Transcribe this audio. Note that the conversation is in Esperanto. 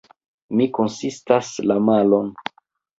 Mi konstatas la malon.